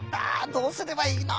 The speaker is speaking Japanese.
どうすればいいの？